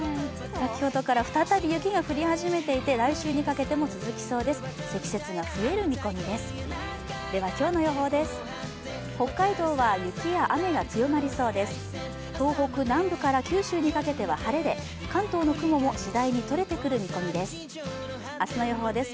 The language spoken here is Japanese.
先ほどから再び雪が降り始めていて、来週にかけても降り続く予想です。